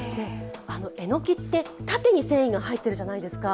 えのきって、縦に繊維が入っているじゃないですか。